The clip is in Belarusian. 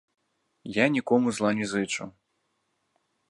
Я нікому зла не зычу.